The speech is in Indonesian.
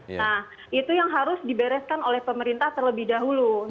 nah itu yang harus dibereskan oleh pemerintah terlebih dahulu